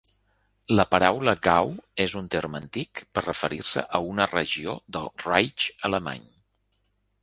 La paraula Gau és un terme antic per referir-se a una regió del "Reich" alemany.